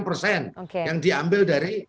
persen yang diambil dari